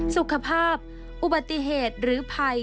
สุขภาพอุบัติเหตุหรือภัย